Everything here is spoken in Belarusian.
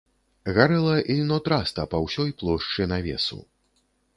Гарэла ільнотраста па ўсёй плошчы навесу.